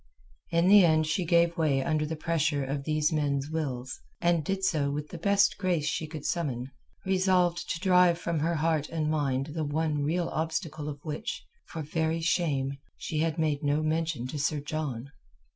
In the end she gave way under the pressure of these men's wills, and did so with the best grace she could summon, resolved to drive from her heart and mind the one real obstacle of which, for very shame, she had made no mention to Sir John.